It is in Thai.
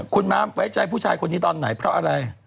คุณม้าไว้ใจผู้ชายคนนี้ตอนไหนเพราะอะไร